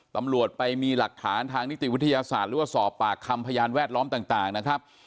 ตำรวจไปมีหลักฐานทางนิติวิทยาศาสตร์หรือว่าสอบปากคำพยานแวดล้อมต่างนะครับ